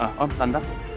ah om tantang